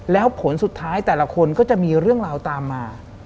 แล้วผลสุดท้ายแต่ละคนก็จะมีเรื่องราวตามมา